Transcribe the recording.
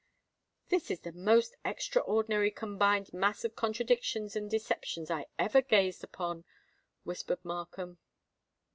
"This is the most extraordinarily combined mass of contradictions and deceptions I ever gazed upon," whispered Markham.